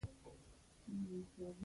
استاد وویل حیف چې پښتون دی.